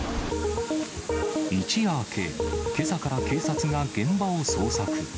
一夜明け、けさから警察が現場を捜索。